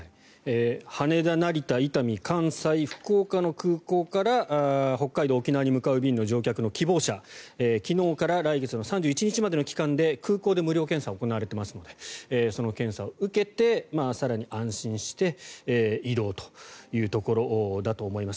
羽田、成田、伊丹関西、福岡の空港から北海道、沖縄に向かう便の乗客の希望者昨日から来月３１日の期間で空港で無料検査が行われているのでその検査を受けて更に安心して移動というところだと思います。